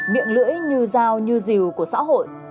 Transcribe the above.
miệng lưỡi như dao như dìu của xã hội